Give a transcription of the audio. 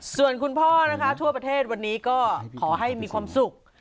ส่วนคุณพ่อนะคะทั่วประเทศวันนี้ก็ขอให้มีความสุข